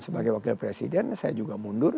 sebagai wakil presiden saya juga mundur